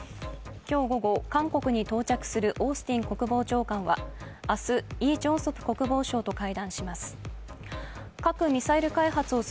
今日午後、韓国に到着するオースティン国防長官は明日、イ・ジョンソプ国防相と会談します。